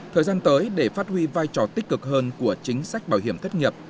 thời gian tới để phát huy vai trò tích cực hơn của chính sách bảo hiểm thất nghiệp